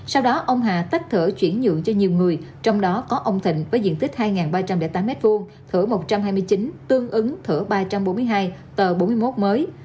sau đó ông hà tách thửa chuyển nhượng cho nhiều người trong đó có ông thịnh với diện tích hai ba trăm linh tám m hai thửa một trăm hai mươi chín tương ứng thửa ba trăm bốn mươi hai tờ bốn mươi một mới